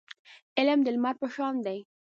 علم د لمر په شان دی.